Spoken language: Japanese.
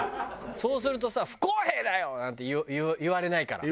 そうするとさ「不公平だよ！」なんて言われないから。